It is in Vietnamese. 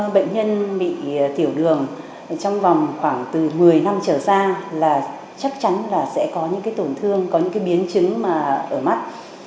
bởi đường trong vòng khoảng từ một mươi năm trở ra là chắc chắn là sẽ có những tổn thương có những biến chứng ở mắt